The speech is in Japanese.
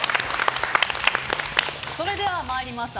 それでは参りましょう。